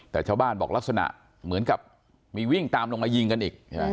แต่ชาวบ้านบอกลักษณะเหมือนกับมีวิ่งตามลงมายิงกันอีกใช่ไหม